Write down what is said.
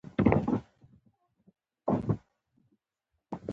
دوی د یهودیانو فریاد لیدلی و نو د ژړا دیوال نوم یې ورکړی.